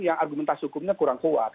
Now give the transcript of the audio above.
yang argumentasi hukumnya kurang kuat